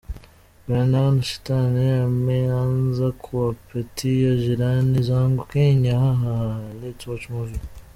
vnaona shetani ameanza kuwapitia jirani zangu kenyaa hahahaha let’s watch movie !”